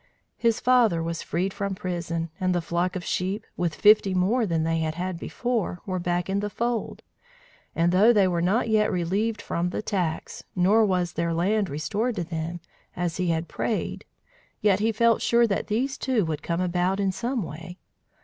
His father was freed from prison, and the flock of sheep, with fifty more than they had had before, were back in the fold; and though they were not yet relieved from the tax, nor was their land restored to them, as he had prayed, yet he felt sure that these, too, would come about in some way.